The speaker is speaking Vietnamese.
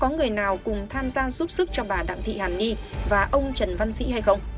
có người nào cùng tham gia giúp sức cho bà đặng thị hàn ni và ông trần văn sĩ hay không